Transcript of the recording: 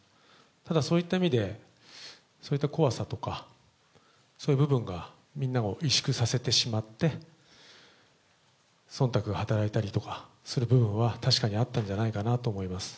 ただ、そういった意味で、そういった怖さとか、そういう部分がみんなを委縮させてしまって、そんたくが働いたりとかする部分は確かにあったんじゃないかなと思います。